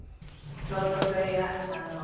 ちょうどそれがあの。